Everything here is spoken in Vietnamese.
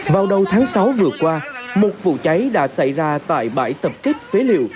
vào đầu tháng sáu vừa qua một vụ cháy đã xảy ra tại bãi tập kết phế liệu